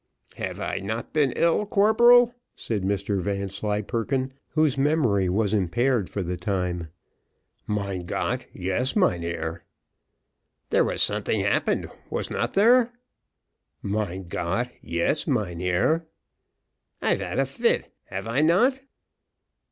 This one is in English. "Have I not been ill, corporal?" said Mr Vanslyperken, whose memory was impaired for the time. "Mein Gott! yes, mynheer." "There was something happened, was not there?" "Mein Gott! yes, mynheer." "I've had a fit; have I not?"